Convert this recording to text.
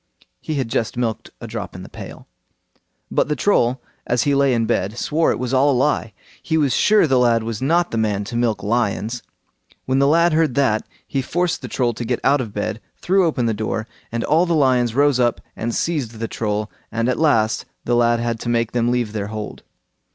He had just milked a drop in the pail. But the Troll, as he lay in bed, swore it was all a lie. He was sure the lad was not the man to milk lions. When the lad heard that, he forced the Troll to get out of bed, threw open the door, and all the lions rose up and seized the Troll, and at last the lad had to make them leave their hold.